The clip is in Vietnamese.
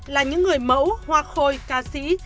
là những người mẫu hoa khôi ca sĩ